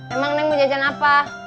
emang neng mau jajan apa